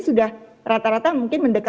sudah rata rata mungkin mendeka